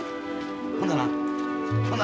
ほんならな。